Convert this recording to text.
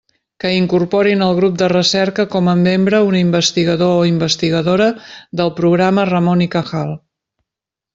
Que incorporin al grup de recerca com a membre un investigador o investigadora del programa Ramón y Cajal.